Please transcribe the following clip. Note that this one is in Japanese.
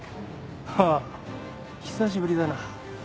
ハッ久しぶりだな。